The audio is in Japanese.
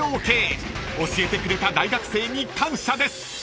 ［教えてくれた大学生に感謝です］